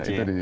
itu di situ